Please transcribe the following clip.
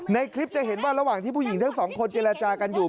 ในคลิปจะเห็นว่าระหว่างที่ผู้หญิงทั้งสองคนเจรจากันอยู่